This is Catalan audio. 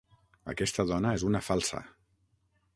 Aquesta dona és una falsa.